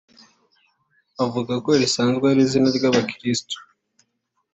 bivugwa ko risanzwe ari n’izina ry’abakristu